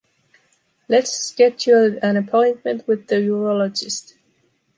Let’s schedule an appointment with the urologist